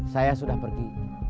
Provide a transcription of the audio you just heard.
saya sudah pergi